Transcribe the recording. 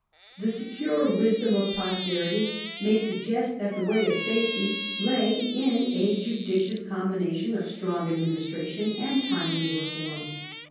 The secure wisdom of posterity may suggest that the way of safety lay in a judicious combination of strong administration and timely reform.